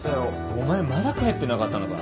お前まだ帰ってなかったのか。